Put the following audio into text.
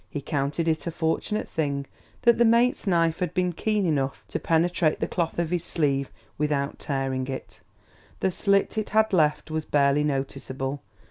He counted it a fortunate thing that the mate's knife had been keen enough to penetrate the cloth of his sleeve without tearing it; the slit it had left was barely noticeable.